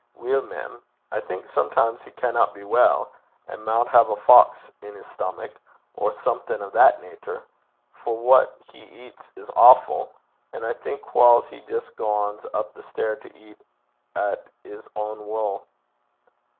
'Weel, mem, I think sometimes he canna be weel, and maun hae a tod (fox) in 's stamack, or something o' that nater. For what he eats is awfu'. An' I think whiles he jist gangs up the stair to eat at 's ain wull.'